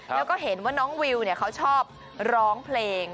แล้วก็เห็นว่าน้องวิวเขาชอบร้องเพลง